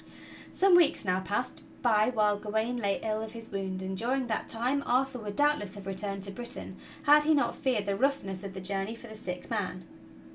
Some weeks now passed by while Gawain lay ill of his wound, and during that time Arthur would doubtless have returned to Bri tain had he net feared the roughness of the journey for the sick man.